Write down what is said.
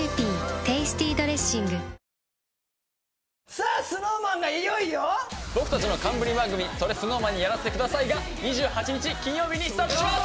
さあＳｎｏｗＭａｎがいよいよ僕たちの冠番組「それＳｎｏｗＭａｎにやらせて下さい」が２８日金曜日にスタートします